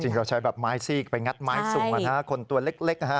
เราใช้แบบไม้ซีกไปงัดไม้สุ่มคนตัวเล็กนะฮะ